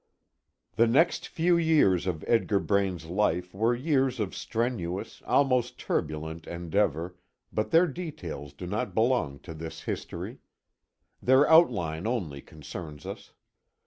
The next few years of Edgar Braine's life were years of strenuous, almost turbulent, endeavor, but their details do not belong to this history. Their outline only concerns us.